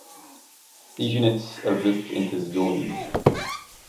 These units are grouped into Zones.